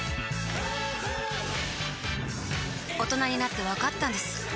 大人になってわかったんです